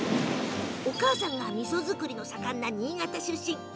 お母さんがみそ造りが盛んな新潟出身。